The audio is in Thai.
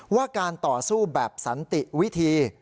ว่าการต่อสู้แบบสันติวิธี